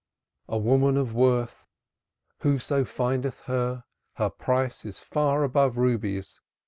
"A woman of worth, whoso findeth her, her price is far above rubies.